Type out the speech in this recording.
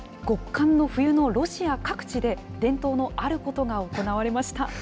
極寒の冬のロシア各地で、伝統のあることが行われました。